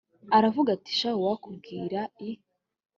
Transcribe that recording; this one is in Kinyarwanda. aravuga ati shahu uwakubwira i